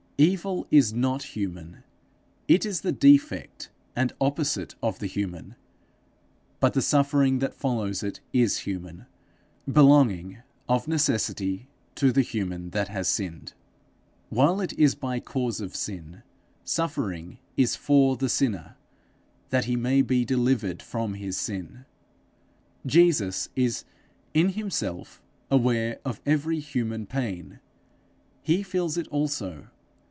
Evil is not human; it is the defect and opposite of the human; but the suffering that follows it is human, belonging of necessity to the human that has sinned: while it is by cause of sin, suffering is for the sinner, that he may be delivered from his sin. Jesus is in himself aware of every human pain. He feels it also.